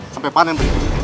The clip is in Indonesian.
sampai panen berikut